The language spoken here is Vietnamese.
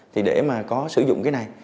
thì để mà có sử dụng cái này